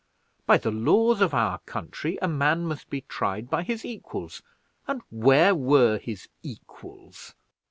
by the laws of our country, a man must be tried by his equals; and where were his equals?"